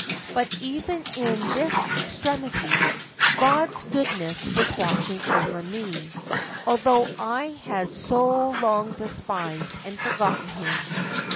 But even in this extremity, God's goodness was watching over me, although I had so long despised and forgotten Him.